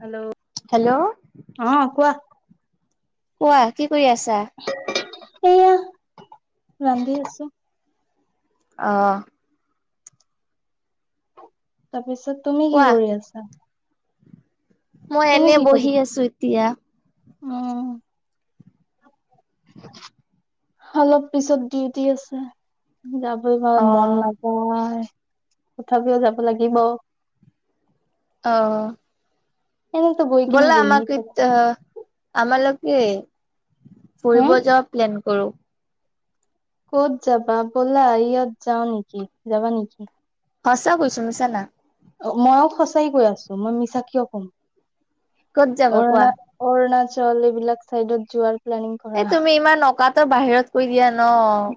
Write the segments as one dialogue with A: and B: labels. A: Hello,
B: hello
A: অ, কোৱা।
B: কোৱা কি কৰি আছা?
A: এইয়া ৰান্ধি আছো।
B: অ,
A: তাৰপিছত তুমি কি
B: কোৱা
A: কৰি আছা?
B: মই
A: তুমি
B: এনে
A: কি কৰি
B: বহি আছোঁ এতিয়া।
A: উম অলপ পিছত ডিউটি আছে। যাবই বা
B: অ
A: মন নযায়। তথাপিওঁ যাব লাগিব।
B: অ'
A: এনেতো গৈ কিনি
B: ব'লা
A: বহি
B: আমাক
A: থাকো
B: [unintelligible] আমালোকে ফুৰিব
A: হম
B: যোৱা প্লেন কৰো।
A: ক'ত যাবা ব'লা, ইয়াত যাওঁ নেকি, যাবা নেকি?
B: সঁচা কৈছো মিছা না।
A: মইয়ো সঁচাই কৈ আছোঁ। মই মিছা কিয় কম
B: ক'ত যাবা কোৱা?
A: অৰুণা অৰুণাচল এইবিলাক চাইডত যোৱাৰ প্লেনিং
B: এ
A: কৰা
B: তুমি ইমান অকাতৰ বাহিৰত কৈ দিয়া ন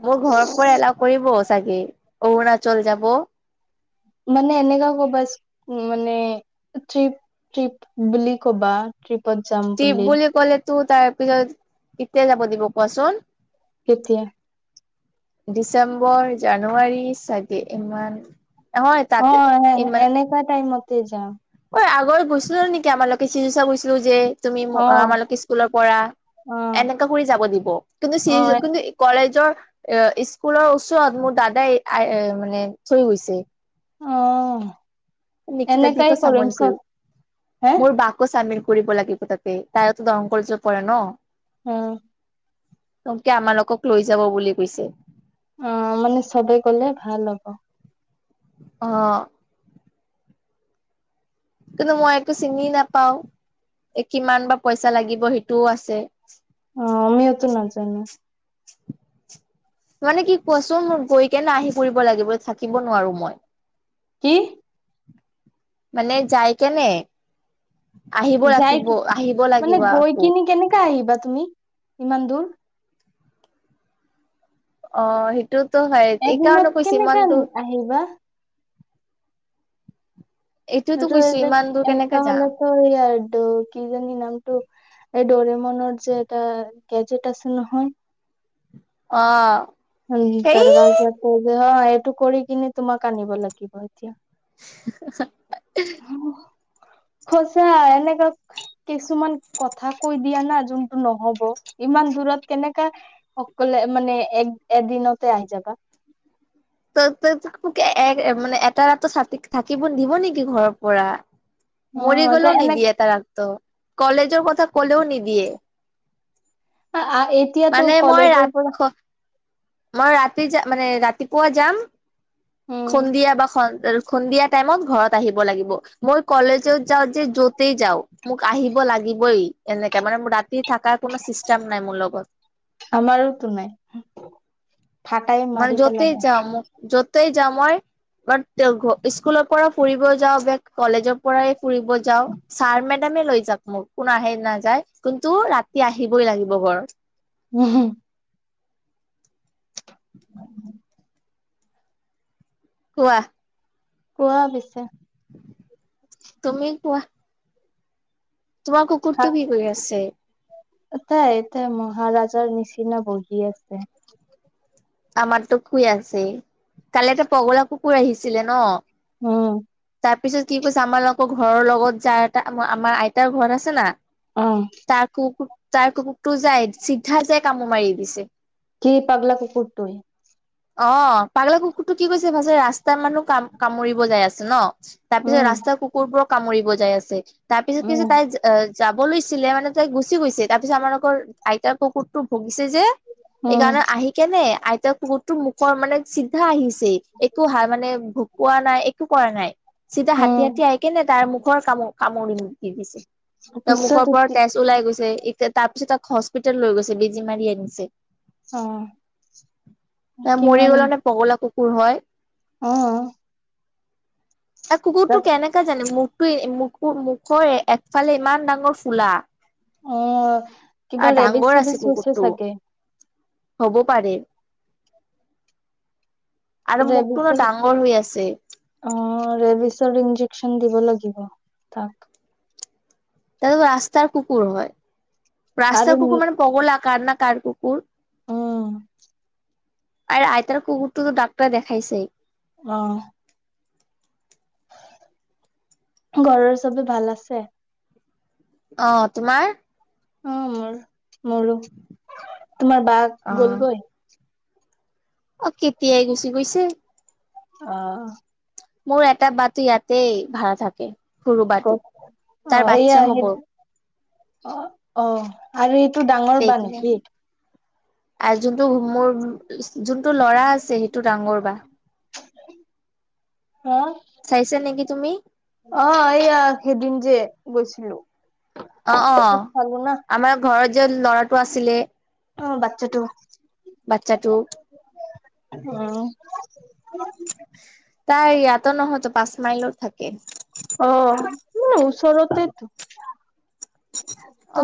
B: মোৰ ঘৰৰ পৰা এলাও কৰিব চাগে। অৰুণাচল যাব।
A: মানে এনেকুৱা ক'বা, [unintelligible] মানে ট্ৰিপ। ট্ৰিপ বুলি ক'বা। ট্ৰিপত যাম।
B: ট্ৰিপ বুলি ক'লেতো তাৰ পিছত এতিয়া যাব দিব কোৱাচোন।
A: কেতিয়া।
B: ডিচেম্বৰ, জানুৱাৰী চাগে ইমান। নহয়
A: অ
B: তাতে,
A: এ-
B: ইমান।
A: এনেকা টাইমতে যাম
B: ঐ আগৰ গৈছিলোঁ নেকি আমালোকে চিজুচা গৈছিলোঁ যে। তুমি
A: অ
B: মোৰ আমালোকে স্কুলৰ পৰা
A: অ
B: এনেকা কৰি যাব দিব কিন্তু
A: অ
B: [unintelligible] কিন্তু কলেজৰ এ স্কুলৰ ওচৰত মোৰ দাদাই এ মানে থৈ গৈছে।
A: অ'
B: নিকিতা
A: এনেকাই কৰিম চব
B: [unintelligible]
A: হে
B: মোৰ বা চামিল কৰিব লাগিব তাতে তাইয়োতো দৰং কলেজত পঢ়ে ন।
A: অ'
B: তংকে আমালোকক লৈ যাব বুলি কৈছে।
A: অ' মানে চবে গ'লে ভাল হ'ব।
B: অ' কিন্তু, মই একো চিনি নাপাওঁ, এ কিমান বা পইচা লাগিব সেইটোও আছে।
A: অ' আমিওতো নাজানোঁ।
B: মানে কি কোৱাচোন গৈ কেনে আহি পৰিব লাগিব, থাকিব নোৱাৰো মই।
A: কি
B: মানে যাই কেনে। আহিব
A: যাই
B: লাগিব
A: কি
B: আহিব
A: মানে
B: লাগিব
A: গৈ
B: আকৌ
A: কিনি কেনেকা আহিবা তুমি ইমান দূৰ।
B: অ' সেইটোতো হয় এইকাৰণে কৈছো ইমানটো।
A: আহিব।
B: এইটোতো কৈছো
A: হেতুৰেদি
B: ইমান দূৰ কেনেকে
A: এনেকুৱা হ'লে
B: যাম
A: কৰিয়াৰ দোষ। কি জানি নামটো এই ডৰেমনৰ যে এটা গেজেট আছে নহয়।
B: অ' সেই
A: তাৰমাজতে [unintelligible] এইটো কৰি কিনি তোমাক আনিব লাগিব এতিয়া।
B: [inaudible]
A: হোমহ সচা এনেুকাক। কিছুমান কথা কৈ দিয়া না যোনটো নহ'ব ইমান দূৰত কেনেকা। অকলে মানে এক এদিনতে আহি যাবা।
B: তোক এটা ৰাতি থাকিব দিব নেকি ঘৰৰ পৰা।
A: অ
B: মৰি
A: এ
B: গ'লেও
A: এনে
B: নিদিয়ে তাকটো কলেজৰ কথা কলেও নিদিয়ে।
A: আহ, আহ, এতিয়াতো
B: মানে মই
A: কলেজৰ
B: ৰাত
A: পৰা।
B: মই ৰাতি যাম মানে ৰাতিপুৱা যাম
A: উম
B: সন্ধিয়া বা নসন্ধিয়া টাইমত ঘৰত আহিব লাগিব। মই কলেজত যাওঁ যে য'তেই যাওঁ, মোক আহিব লাগিবই এনেকা মানে মোৰ ৰাতি থাকা কোনো চিষ্টেম নাই মোৰ লগত।
A: আমাৰোতো নাই। ফাটাই
B: মানে
A: মাৰি পেলাব
B: য'তেই যাওঁ মোক য'তেই যাম মই বাৰ স্কুলৰপৰা ফুৰিব যাওঁ বা কলেজৰপৰাই ফুৰিব যাওঁ, ছাৰ মে মে লৈ যাক মোক কোনো আহে নাযায় কিন্তু ৰাতি আহিবই লাগিব ঘৰত।
A: উহু [inaudible]
B: কোৱা?
A: কোৱা পিছে?
B: তুমি কোৱা? তোমাৰ কুকুৰটো কি কৰি আছে
A: তাই এতিয়া মহাৰাজাৰ নিচিনা বহি আছে।
B: আমাৰতো শুই আছেই। কালি এটা পগলা কুকুৰ আহিছিলে ন'।
A: উম।
B: তাৰপিছত কি কৈছ আমাৰলোকৰ ঘৰৰ লগত যা এটা আমাৰ আইতাৰ ঘৰ আছে না
A: অ'।
B: তাৰ কুকু তাৰ কুকুকটো যায় চিধা যায় কামোৰ মাৰি দিছে।
A: কি পাগলা কুকুৰটোই
B: অ' পাগলা কুকুৰটো কি কৈছে বা যে ৰাস্তাৰ মানুহ কাম-কামুৰিব যাই আছে ন'। তাৰপিছত
A: উম
B: ৰাস্তাৰ কুকুৰবোৰক কামুৰিব যাই আছে, তাৰপিছত কৈছোঁ
A: উম
B: তাই এ, যা বলৈছিলে মানে তাই গুচি গৈছে, তাৰপিছত আমালোকৰ আইতাৰ কুকুৰটো ভুগিছে যে
A: উম
B: এইকাৰণে আহি কেনে আইতাক কুকুৰ তো মুখৰ মানে চিধা আহিছেই, একো হাৰ মানে ভোকোৱা নাই, একো কৰা নাই। চিধা
A: উম
B: হাতী হাতী আহি কেনে তাৰ মুখৰ কাম-কামুৰি দি দিছে। তাৰ
A: পিছত
B: মুখৰপৰা
A: এতি
B: তেজ ওলাই গৈছে, তাৰপিছত তাক হস্পিতেল লৈ গৈছে, বেজী মাৰি আনিছে। এ,
A: অ
B: মৰি
A: কিমান
B: গ'লনে পগলা কুকুৰ হয়
A: অ'।
B: তা কুকুৰটো
A: তাত
B: কেনেকা জানে মুখটো মুখৰ একফালে ইমান ডাঙৰ ফুলা।
A: অ কিবা
B: আ,
A: ৰেবিচ
B: ডাঙৰ
A: চেবিচ
B: আছে
A: হৈছে
B: কুকুৰটো।
A: চাগে
B: হ'ব পাৰে। আৰু মখটোনো
A: ৰেবিচৰ
B: ডাঙৰ হৈ আছে।
A: অ' ৰেবিচৰ ইন্জেকচন দিব লাগিব তাক।
B: তাতেতো ৰাস্তাৰ কুকুৰ হয়,
A: আৰু
B: ৰাস্তাৰ কুকুৰ মানে পগলা কাৰ না কাৰ কুকুৰ।
A: উম
B: আৰু আইতাৰ কুকুৰটোতো ডাক্তাৰ দেখাইছেই।
A: অ'। ঘৰৰ চবে ভাল আছে?
B: অ' তোমাৰ?
A: অ' মোৰ মোৰো। তোমাৰ বাক গ'লগৈ?
B: অ' কেতিয়াই গুচি গৈছে।
A: অ'।
B: মোৰ এটা বাতো ইয়াতে ভাড়া থাকে। সৰু বাটো
A: ক'ক?
B: তাৰ
A: অ'
B: বাচ্ছা
A: হেয়া হেই
B: হ'ব
A: অ', অ' আৰু এইটো ডাঙৰ বা
B: এইখিনি
A: নেকি?
B: আৰু যোনটো মোৰ যোনটো ল'ৰা আছে সেইটো ডাঙৰ বা।
A: অ
B: চাইছে নেকি তুমি।
A: অ' এইয়া সেইদিন যে গৈছিলোঁ।
B: অ', অ' আমাৰ ঘৰত যে ল'ৰাটো আছিলে।
A: অ', বাচ্ছাটো।
B: বাচ্ছাটো
A: অ'।
B: তাই ইয়াতো নহয়তো পাঁচ মাইলট থাকে।
A: অ', ওচৰতেতো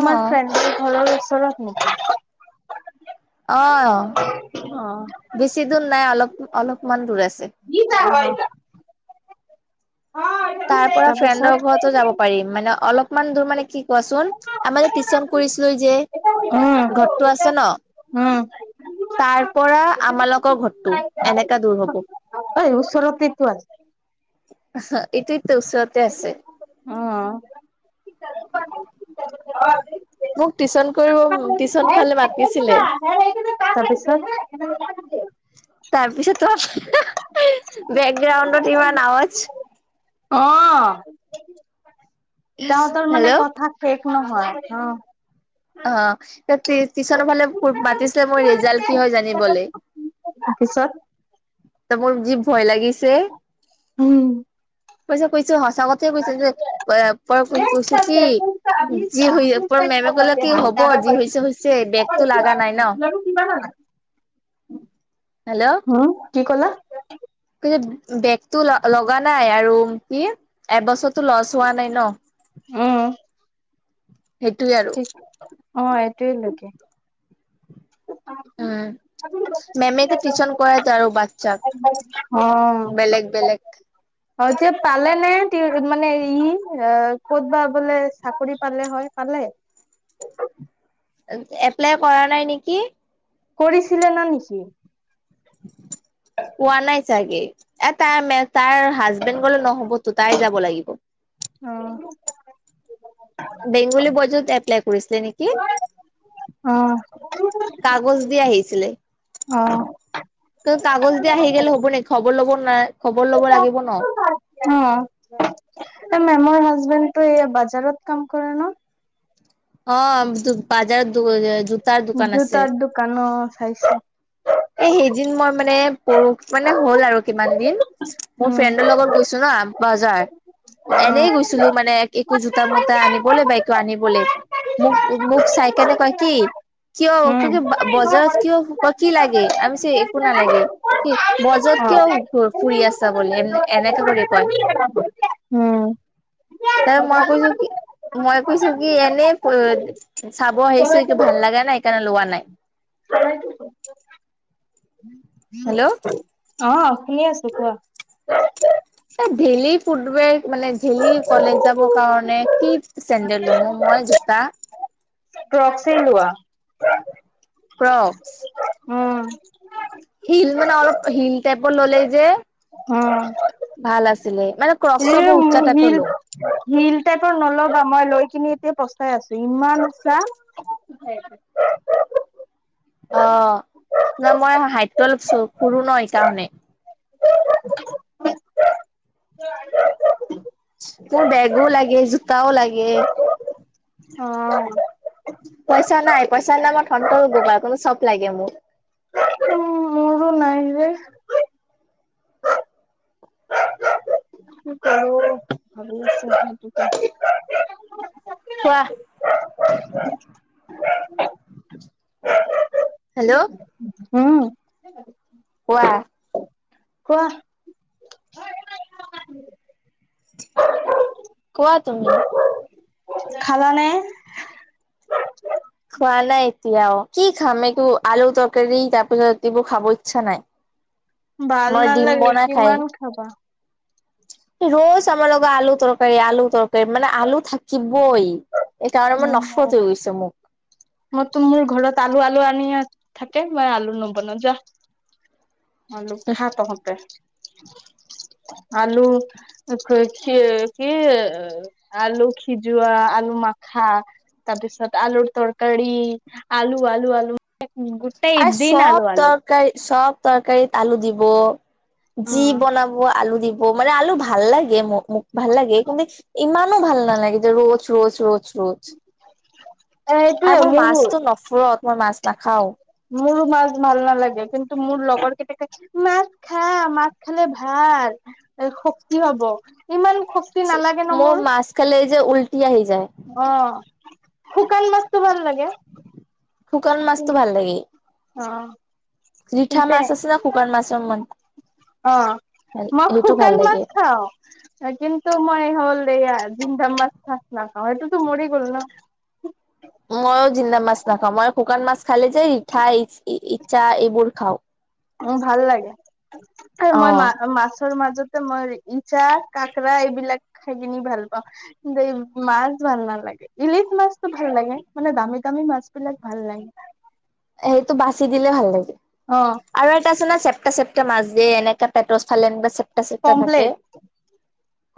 B: অ
A: ফ্ৰেণ্ডৰ ঘৰৰ ওচৰতৰত নেকি?
B: অ', অ', বেছি দূৰ নাই অলপ অলপমান দূৰ আছে।
A: কি যা হয় এই বিলাক।
B: তাৰ পৰা ফ্ৰেণ্ডৰ ঘৰতো যাব পাৰিম মানে অলপমান দূৰ মানে কি কোৱাচোন। আমাৰ টিউচন কৰিছিলো যে
A: উম উম
B: ঘৰটো আছে ন। তাৰ পৰা আমালোকৰ ঘৰতো এনেকা দূৰ হ'ব।
A: ওচৰতে তো আছে।
B: এইটোৱেই তো ওচৰতে আছে।
A: উ।
B: মোক টিউচন কৰিব টিউচন ফালে মাতিছিলে।
A: তাৰপিছত [unintelligible]
B: তাৰপিছত তোমাৰ বেকগ্ৰাউণ্ডত ইমান আৱাজ।
A: অ', তাহতৰ মানে
B: হেল্ল'
A: কথা শেষ নহয় অ'।
B: অ' টিউচনৰ ফালে মাতিছিলে মোৰ ৰিজাল্ট কি হয় জানিবলৈ।
A: তা পিছত
B: ত' মোৰ যি ভয় লাগিছে
A: উম
B: কৈছো, কৈছো সঁচা কথা কৈছে যে প প কৈছো কি যি হৈ পৰ মেমে কলে কি হ'ব যি হৈছে হৈছে বেগতটো লগা নাই ন।
A: কি বাৰ [unintelligible]
B: হেল্ল'।
A: হু কি কলা।
B: কি বেগতটো লগা নাই আৰু কি এবছৰ টো লছ হোৱা নাই ন
A: উম
B: সেইটোৱে আৰু।
A: ঠিক অ', এইটোৱে লোকে
B: উম মেমেতে টিউচন কৰাইত আৰু বাচ্ছাক। বেলেগ বেলেগ
A: অ'। অ', এতিয়া পালে নে মানে ই ক'ত বা বোলে চাকৰি পালে হয়, পালে।
B: এপ্লাই কৰা নাই নেকি।
A: কৰিছিলে না নেকি।
B: কোৱা নাই চাগে এটা মে তাই হাজবেণ্ড গলে নহ'ব তো তাই যাব লাগিব।
A: অ'।
B: বেংগলী বজাৰত এপ্লাই কৰিছিলে, নেকি। কাগজ দি আহিছিলে।
A: অ'।
B: কাগজ দি আহি গ'লে হ'ব নেকি খবৰ লব ন, খবৰ ল'ব লাগিব ন।
A: অ'। তমাৰ হাজবেণ্ড টো এই বাজাৰত কাম কৰে ন।
B: অ', ‌‌ বাজাৰত জোতাৰ দোকান আছে
A: জোতাৰ দোকান চাইিছে।
B: এ সেইদিন মই মানে পৰুষ মানে হ'ল আৰু কিমান দিন মোৰ
A: উম
B: ফ্ৰেণ্ডৰ লগত গৈছো ন, বাজাৰ
A: উম
B: এনেই গৈছিলো মানে জোতা মোতা আনি বোলে বাইক আনি বোলে। মোক, মোক চাইকনে কয় কি, কিয়
A: অ
B: ক, কি বজাৰত কিয় ক, কি লাগে। লে, ‌ আমি একো নালাগে। কি বজৰত কিয় ফুৰি আছা? ব, এনেকাে কৰি কয়।
A: উম,
B: ত, মই কৈছো কি? মই কৈছো কি? এনেই চাব আহিছো। একটো ভাল লগা নাই কাৰণে লোৱা নাই। হেল্ল,
A: অ, শুনি আছো কোৱা?
B: এ, ঢেলি ফুটবে মানে ঢেলি কলেজ যাবৰ কাৰণে কি চেণ্ডেল ল'ম। মই জোতা।
A: কৰ্কচে লোৱা।
B: কৰ্কচ।
A: উম,
B: হিল মানে অলপ হিল টাইপৰ ল'লে যে
A: উম,
B: ভাল আছিলিলে মানে কৰ্কচৰ
A: এই
B: ব
A: হিল। হিল টাইপৰ নল'বা। মই লৈ কিনি এতিয়া পস্তাই আছো ইমানছা। [unintelligible]
B: অ', ন, মই হাহিতটো অলপ চৌ কৰো ন সেইকাৰণে। মোৰ বেগো লাগে, জোতাও লাগে।
A: অ,
B: পইচা, নাই পইচা নাই মই ধনট ৰ গো পায় কোনো চ'ব লাগে মোক।
A: উ, মোৰো নাই যে ক'ৰ ভাবি আছ সেইটো ক
B: থোৱা। হেল্ল'
A: [inaudible] উম,
B: কোৱা?
A: কোৱা
B: কোৱা তুমি?
A: খালনে?
B: খোৱা নাই এতিয়াও, কি খাম? একো আলু তৰকাৰী তাৰপিছত দিবু খাব ইচ্ছা নাই।
A: ভাল
B: মই ডিম
A: নালাগে
B: বনাই খাই
A: কিমান খাবা।
B: ৰজ আমাৰ লগত আলু তৰকাৰী আলু তৰকাৰী মানে আলু থাকিবই। এইকাৰণে মই [unintelligible]
A: মই তো মোৰ ঘৰত আলু আলু আনি থাকে মই আলু ন'বনাও যা আলু খা তাহতে আলু। [unintelligible] কি আলু, খিজোৱাা আলু মা খ, তাৰপিছত আলুৰ তৰকাৰি, আলু আলু আলু। গোটেই দিন আলু, আলু।
B: তৰকাৰ চব তৰকাৰীত আলু দিব, যি
A: উম।
B: বনাব আলু দিব। ব, মানে আলু ভাল লাগে। মোক ভাল লাগে কিন্তু ইমানো ভাল নালাগে, যে ৰোজ ৰোজ ৰোজ ৰোজ আ,
A: এইটোয়ে
B: মোৰ
A: মোৰো
B: মাছতটো নফুৰত মই মাছ নাখাও।
A: মোৰো মাছ ভাল নালাগে কিন্তু মোৰ লগৰ কেতি মাছ খা মাছ খালে ভাল শক্তি হ'ব ইমান শক্তি নালাগে ন, মোৰ।
B: খাললে এই যে উলটিয় হৈি যায়
A: অ শুকান মাছতো ভাল লাগে
B: শুকান মাছতো ভাল লাগে
A: অ
B: ৰৰিঠা মছ
A: কিন্তু
B: আছে ন ফুকান মছৰ ম
A: অ মই
B: ভাল
A: শুকান মাছ
B: লাগে।
A: খাওঁ কিন্তু মই হ'ল জিম দা মাছ থাক নাখাওঁ সেইটোতো মৰি গ'ল ন
B: মইও জিন্দা মাছ নাখাওঁ মই শুকান মাছ খালে যে ইঠা ইচ্ছা এইবোৰ খাওঁ
A: উ ভাল লাগে স
B: অ
A: মই মা মাছৰ মাজত মই ইচা ককৰা এইবিলাক খাই কিনি ভাল পাওঁ দেেই মাছ ভাল নাল লাগে ইলিচ মাছতটো ভাল লাগে মানে দামী দামী মাছ বিলাক ভাল লাগে
B: সেইটো বাচি দিলে ভাল লাগে
A: অ
B: আৰু এটা আছে নে চেপা চেপা মাছ দিয়ে এনেকা পেটচ ফালেন বা চেপা চেপা থাকে
A: পমপ্লেট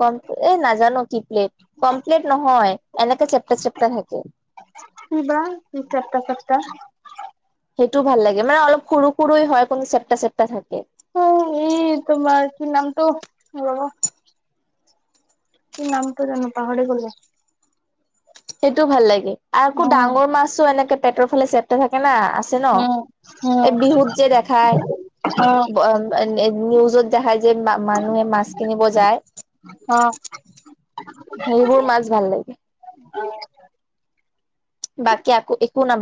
B: ক এই নাজানো কি প্লেট কমপ্লেট নহয় এনেকাে চেপাৰ চেপাৰ থাকে
A: শবা ক্তা চ্তা
B: সেইটোও ভাল লাগে মান অলপ সৰু সৰু হয় কোনো চেপ্টা চেপ্টা থাকে
A: উ এই তোমাৰ কি নামটো ৰাব কি নামটো জন পাহৰি গলা
B: সেইটোও ভাল লাগে
A: অ
B: আৰুকৌ ডাঙৰ
A: উম
B: মাছো এনেকে পেটৰ ফালে চেপ থ থাকে না ন
A: উম
B: বিহুত যে দেখ
A: অ
B: নিত যাই যে মানুহে মাছ কিনিব যায়
A: অ
B: সেইবোৰ মাছ ভাল লাগে
A: অ
B: বাকী আকৌ একো নাল